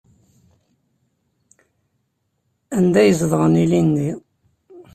Anda ay zedɣen ilindi?